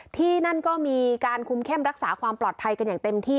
ที่นั่นก็มีการคุมเข้มรักษาความปลอดภัยกันอย่างเต็มที่